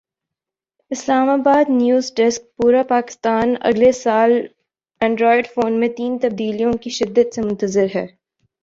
اسلام آبادنیو زڈیسکپورا پاکستان اگلے سال اینڈرائیڈ فون میں تین تبدیلیوں کی شدت سے منتظر ہے